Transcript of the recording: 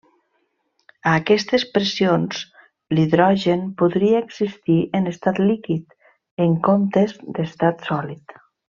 A aquestes pressions, l'hidrogen podria existir en estat líquid en comptes d'estat sòlid.